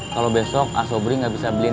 kalau besok asobri nggak bisa beliin